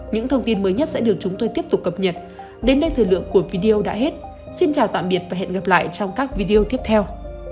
những thông tin mới nhất sẽ được chúng tôi tiếp tục cập nhật đến đây thời lượng của video đã hết xin chào tạm biệt và hẹn gặp lại trong các video tiếp theo